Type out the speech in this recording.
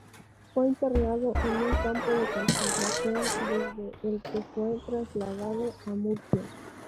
Fue internado en un campo de concentración desde el que fue trasladado a Murcia.